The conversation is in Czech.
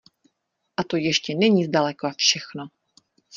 A to ještě není zdaleka všechno...